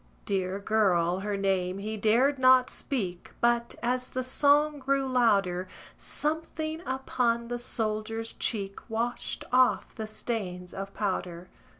Dear girl, her name he dared not speak, But, as the song grew louder, Something upon the soldier's cheek Washed off the stains of powder.